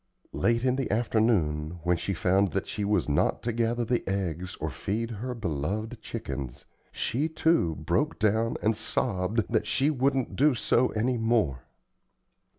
Late in the afternoon, when she found that she was not to gather the eggs or feed her beloved chickens, she, too, broke down and sobbed that she "wouldn't do so any more."